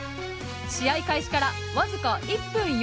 試合開始から僅か１分４２秒。